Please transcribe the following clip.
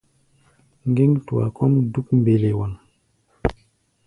Ŋgéŋ-tua kɔ́ʼm dúk mbelewaŋ.